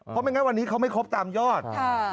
เพราะไม่งั้นวันนี้เขาไม่ครบตามยอด